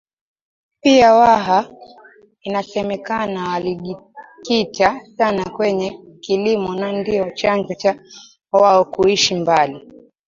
Pia Waha Inasemekana walijikita sana kwenye Kilimo na ndio chanzo cha wao kuishi mbali